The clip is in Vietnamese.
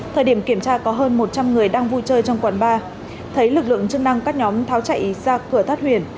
thời điểm kiểm tra có hơn một trăm linh người đang vui chơi trong quán bar thấy lực lượng chức năng các nhóm tháo chạy ra cửa thoát huyền